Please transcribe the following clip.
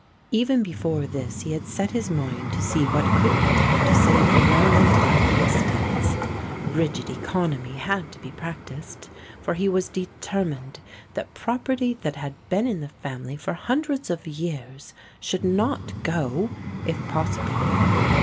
Even before this he had set his mind to see what could be done to save the remnant of the estates. Rigid economy had to be practised, for he was determined that property that had been in the family for hundreds of years should not go if possible.